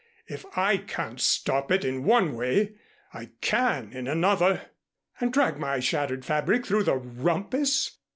"If I can't stop it in one way, I can in another." "And drag my shattered fabric into the rumpus?